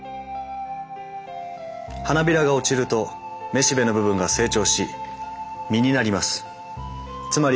花びらが落ちるとめしべの部分が成長し実になります。